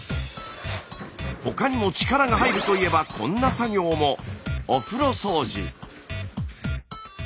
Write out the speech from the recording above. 他にも力が入るといえばこんな作業も。